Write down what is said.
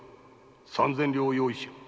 三千両を用意しろ。